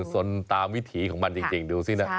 สนตามวิถีของมันจริงดูสินะ